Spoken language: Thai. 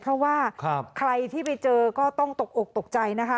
เพราะว่าใครที่ไปเจอก็ต้องตกอกตกใจนะคะ